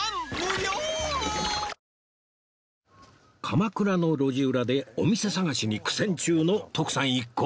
鎌倉の路地裏でお店探しに苦戦中の徳さん一行